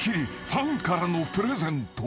ファンからのプレゼント］